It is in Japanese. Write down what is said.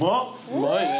うまいね。